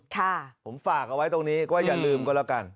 ค่ะผมฝากเอาไว้ตรงนี้ว่าอย่าลืมก็แล้วกัน